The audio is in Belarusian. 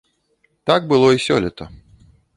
Так было і сёлета.